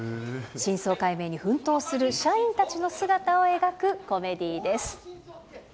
真相解明に奮闘する社員たちの姿を描くコメディーです。